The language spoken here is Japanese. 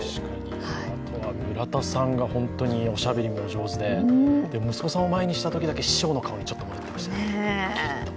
あとは村田さんが本当におしゃべりも上手で、息子さんを前にしたときだけ師匠の顔に戻ってました。